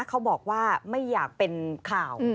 เขาบอกว่าไม่อยากเป็นข่าว